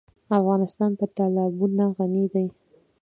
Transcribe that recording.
افغانستان په تالابونه غني دی.